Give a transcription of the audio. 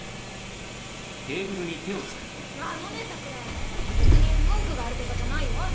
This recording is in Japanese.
あのね桜良別に文句があるとかじゃないよ。